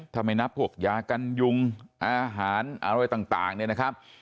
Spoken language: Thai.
ถ้าไม่นับพวกยากันยุงอาหารอะไรต่างเนี่ยนะครับ